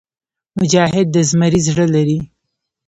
مجاهد د زمري زړه لري.